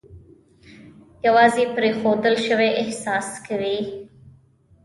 یوازې پرېښودل شوی احساس کوي.